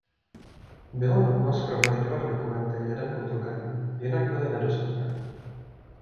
Bylo nutno shromažďovat dokumenty jeden po druhém, jinak byly nedostupné.